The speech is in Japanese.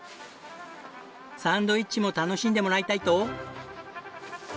サンドイッチも楽しんでもらいたいと。